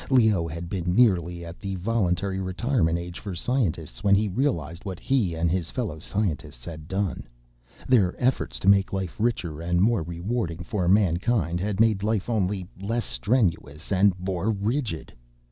Leoh had been nearly at the voluntary retirement age for scientists when he realized what he, and his fellow scientists, had done. Their efforts to make life richer and more rewarding for mankind had made life only less strenuous and more rigid.